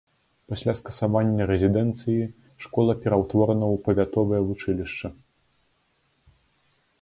Пасля скасавання рэзідэнцыі школа пераўтворана ў павятовае вучылішча.